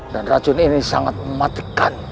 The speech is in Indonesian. dan racun ini sangat mematikan